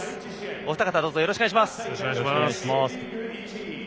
お二方どうぞよろしくお願いします。